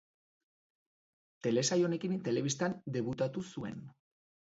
Telesaila honekin telebistan debutatu zuen.